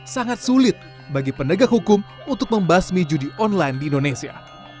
sangat sulit bagi pendegak hukum untuk membasmi judi online di indonesia